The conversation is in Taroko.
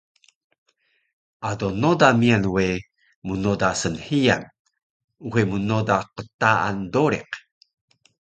Ado noda miyan we mnoda snhiyan, uxe mnoda qtaan doriq